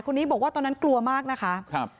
คนนี้บอกว่าตอนนั้นกลัวมากนะคะครับ